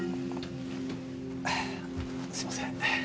すいません